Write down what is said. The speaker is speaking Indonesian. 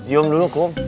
cium dulu kum